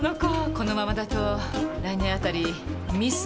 このままだと来年あたりミス